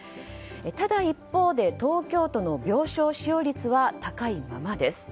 ただ一方で、東京都の病床使用率は高いままです。